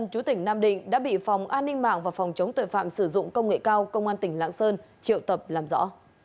chú tỉnh nam định đã bị phòng an ninh mạng và phòng chống tội phạm sử dụng công nghệ cao công an tỉnh lạng sơn triệu tập làm rõ